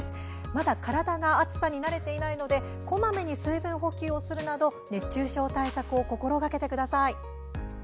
まだ体が暑さに慣れていないのでこまめに水分補給をするなど熱中症対策を心がけてください。